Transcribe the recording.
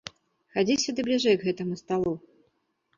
Хадзі сюды бліжэй к гэтаму сталу.